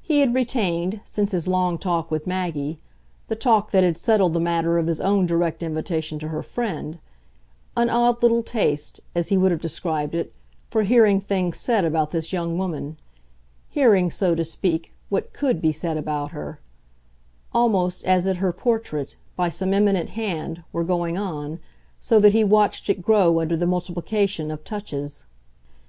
He had retained, since his long talk with Maggie the talk that had settled the matter of his own direct invitation to her friend an odd little taste, as he would have described it, for hearing things said about this young woman, hearing, so to speak, what COULD be said about her: almost as it her portrait, by some eminent hand, were going on, so that he watched it grow under the multiplication of touches.